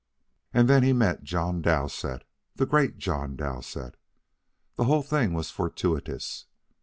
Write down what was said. And then he met John Dowsett, the great John Dowsett. The whole thing was fortuitous.